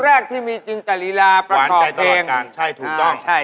ตรงแรกที่มีจินตะลีลาประตอบเพลงหวานใจตลอดอาจารย์